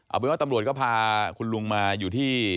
เอาเป็นว่าตำรวจก็พาคุณลุงมาอยู่ที่